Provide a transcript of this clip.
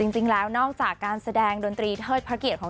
นอกจากการแสดงดนตรีเทิดพระเกียรติของ